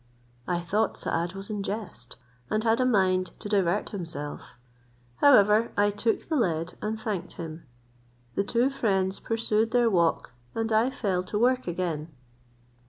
I thought Saad was in jest, and had a mind to divert himself: however I took the lead, and thanked him. The two friends pursued their walk, and I fell to work again.